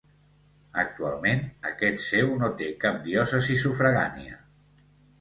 Actualment, aquest seu no té cap diòcesi sufragània.